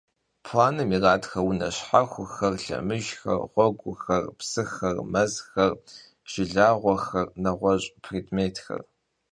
Planım yiratxe vune şhexuexer, lhemıjjxer, ğueguxer, psıxer, mezxer, jjılağuexer, neğueş' prêdmêtxer.